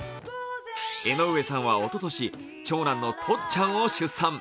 江上さんはおととし長男のとっちゃんを出産。